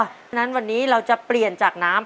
ดังนั้นวันนี้เราจะเปลี่ยนจากน้ำ